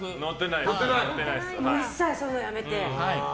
一切そういうのやめて。